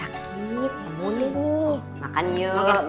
makan yuk makan yuk